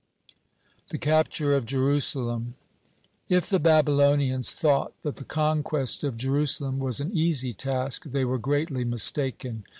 (25) THE CAPTURE OF JERUSALEM If the Babylonians thought that the conquest of Jerusalem was an easy task, they were greatly mistaken.